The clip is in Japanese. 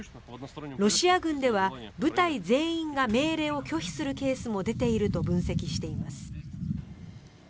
ロシア軍では、部隊全員が命令を拒否するケースも出ていると分析しています。